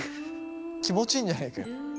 気持ちいいんじゃねえかよ。